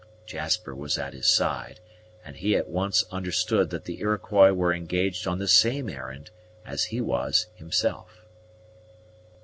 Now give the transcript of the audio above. Jasper was at his side, and he at once understood that the Iroquois were engaged on the same errand as he was himself.